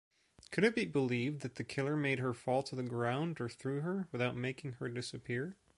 Could it be believed that the killer made her fall to the ground or threw her, without making her disappear?